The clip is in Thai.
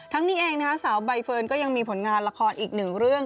นี้เองนะคะสาวใบเฟิร์นก็ยังมีผลงานละครอีกหนึ่งเรื่อง